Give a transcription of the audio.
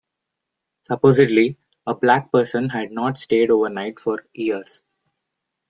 Supposedly a black person had not stayed overnight for years.